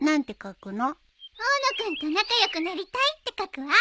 「大野君と仲良くなりたい」って書くわ。